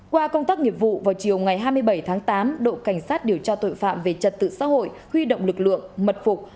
qua công tác nghiệp vụ vào chiều ngày hai mươi bảy tháng tám đội cảnh sát điều tra tội phạm về trật tự xã hội huy động lực lượng mật phục